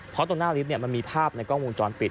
เพราะตรงหน้าลิฟต์มันมีภาพในกล้องวงจรปิด